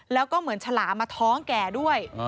แล้วก็เหมือนฉลามมาท้องแก่ด้วย